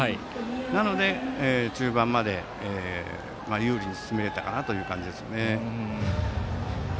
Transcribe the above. なので、中盤まで有利に進められたかなという感じですね。